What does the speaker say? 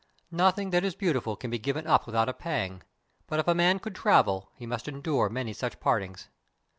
Nothing that is beautiful can be given up with out a pang, but if a man would travel, he must endure many such partings.